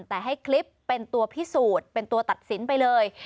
แต่ให้คลิปเป็นตัวพิสูจน์เป็นตัวตัดสินไปเลย